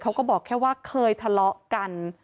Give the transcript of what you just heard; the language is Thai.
เขาก็บอกแค่ว่าเคยทะเลาะกัน